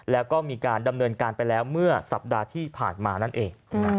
แล้วก็มีการดำเนินการไปแล้วเมื่อสัปดาห์ที่ผ่านมานั่นเอง